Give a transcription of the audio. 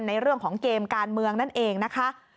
ในเรื่องของเกมการเมืองนั่นเองนะคะ